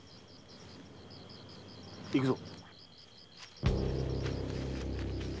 行くぞ！